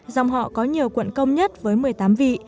dòng họ có nhiều quận công nhất với một mươi tám vị